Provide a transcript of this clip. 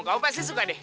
kau pasti suka deh